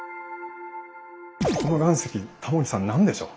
この岩石タモリさん何でしょう？